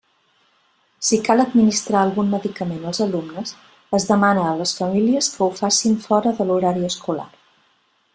Si cal administrar algun medicament als alumnes, es demana a les famílies que ho facin fora de l'horari escolar.